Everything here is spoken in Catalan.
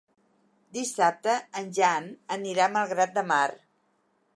Dissabte en Jan anirà a Malgrat de Mar.